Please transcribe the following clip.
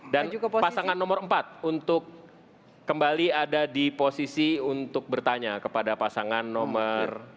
dan pasangan nomor empat untuk kembali ada di posisi untuk bertanya kepada pasangan nomor tiga